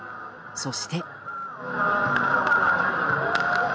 そして。